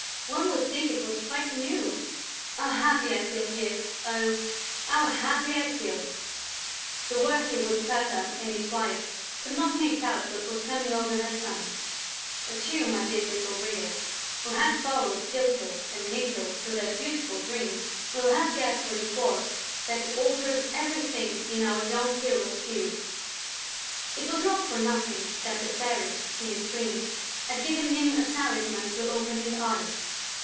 One would think it was quite new!... How happy I feel here, oh, how happy I feel!" The worthy woodcutter and his wife could not make out what was coming over their son; but you, my dear little readers, who have followed Tyltyl and Mytyl through their beautiful dream, will have guessed what it was that altered everything in our young hero's view. It was not for nothing that the Fairy, in his dream, had given him a talisman to open his eyes.